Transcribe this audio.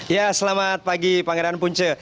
ya selamat pagi pangeran punce